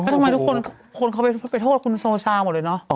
ทำไมทุกคนเขาไปโทษคุณโซซาหมดเลยเนอะ